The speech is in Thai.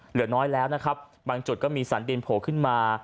เหลือน้อยแล้วนะครับบางจุดก็มีสันดินโผล่ขึ้นมา